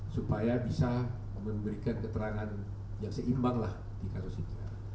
supaya bisa memberikan keterangan yang seimbang lah di kasus ini